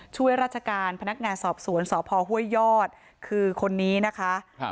ช่วยราชการพนักงานสอบสวนสพห้วยยอดคือคนนี้นะคะ